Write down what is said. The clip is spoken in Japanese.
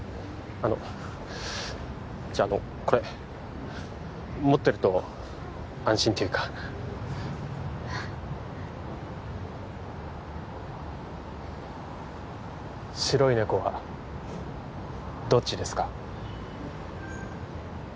あのじゃああのこれ持ってると安心っていうか「白いねこ」はどっちですか？